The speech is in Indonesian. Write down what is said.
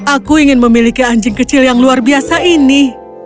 aku ingin memiliki anjing kecil yang luar biasa ini